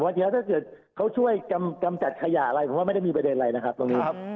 เดี๋ยวถ้าเกิดเขาช่วยกำจัดขยะอะไรผมว่าไม่ได้มีประเด็นอะไรนะครับตรงนี้ครับ